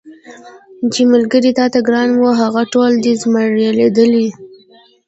چي ملګري تاته ګران وه هغه ټول دي زمولېدلي